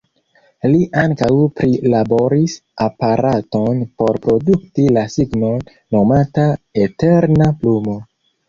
Li ankaŭ prilaboris aparaton por produkti la signon, nomata „eterna plumo”.